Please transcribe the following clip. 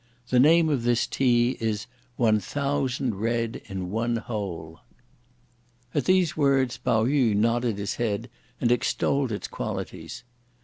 The name of this tea is 'one thousand red in one hole.'" At these words Pao yü nodded his head, and extolled its qualities.